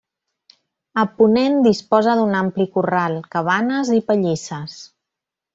A ponent, disposa d'un ampli corral, cabanes i pallisses.